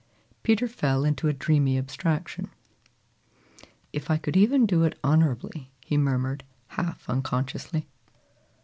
Peter fell into a dreamy abstraction. "If I could even do it honorably," he murmured half unconsciously.